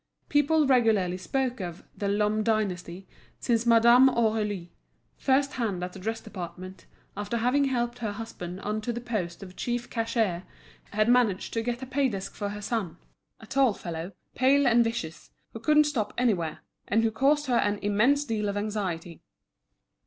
People regularly spoke of "the Lhomme dynasty," since Madame Aurélie, first hand at the dress department, after having helped her husband on to the post of chief cashier, had managed to get a pay desk for her son, a tall fellow, pale and vicious, who couldn't stop anywhere, and who caused her an immense deal of anxiety.